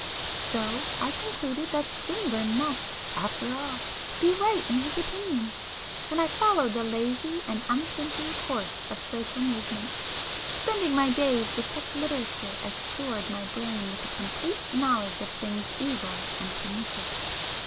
So I concluded that Swinburne must, after all, be right in his opinions, and I followed the lazy and unthinking course of social movement, spending my days with such literature as stored my brain with a complete knowledge of things evil and pernicious.